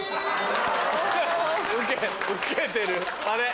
ウケてるあれ？